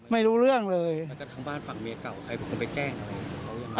ไม่รู้เรื่องเลยแล้วก็ทั้งบ้านฝั่งเมียเก่าใครบอกเขาไปแจ้งอะไร